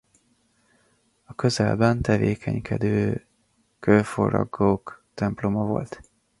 A közelben tevékenykedő kőfaragók temploma volt.